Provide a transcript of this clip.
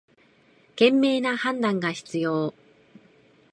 賢明な判断が必要